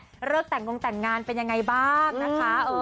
เหลือช่วงแต่งงงแต่งงานเป็นยังไงบ้างนะคะ